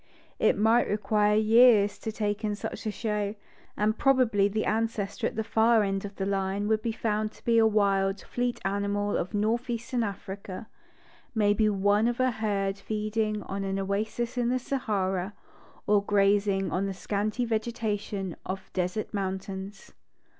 It might require years to take in such a show, and probably the ancestor at the far end of the line would be found to be a wild, fleet animal of north eastern Africa, — maybe one of a herd feeding on an oasis in the Sahara, or grazing on the scanty Vegeta tion of desert mountains.